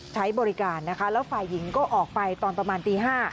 ใช้บริการนะคะแล้วฝ่ายหญิงก็ออกไปตอนประมาณตี๕